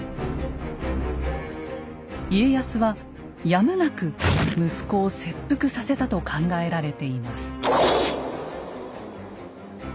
家康はやむなく息子を切腹させたと考えられています。